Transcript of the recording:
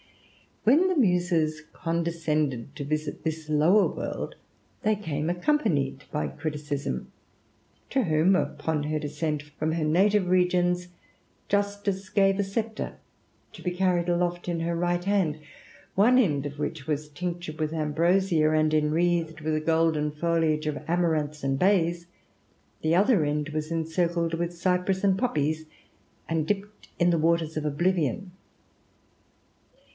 When the Muses condescended to visit this world, they came accompanied by Criticism, to whonv upon her descent from her native regions, Justice gai a sceptre, to be carried aloft in her right hand, one en^ of which was tinctured with ambrosia, and inwreathed with a golden foliage of amaranths and bays; the Other end was encircled with cypress and poppies, and dipped iii' the waters of oblivion.